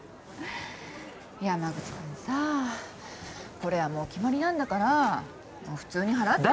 山口君さこれはもう決まりなんだからもう普通に払ったら。